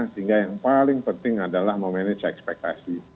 sehingga yang paling penting adalah memanage ekspektasi